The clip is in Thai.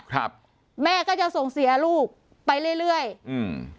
ครับแม่ก็จะส่งเสียลูกไปเรื่อยเรื่อยอืม